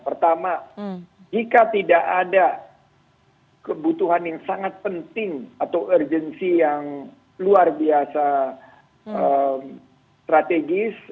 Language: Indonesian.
pertama jika tidak ada kebutuhan yang sangat penting atau urgensi yang luar biasa strategis